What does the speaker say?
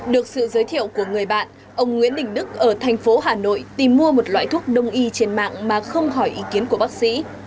được sự giới thiệu của người bạn ông nguyễn đình đức ở thành phố hà nội tìm mua một loại thuốc đông y trên mạng mà không hỏi ý kiến của bác sĩ